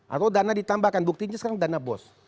atau dana ditambahkan buktinya sekarang dana bos